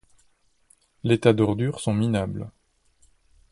Les tas d’ordures sont minables.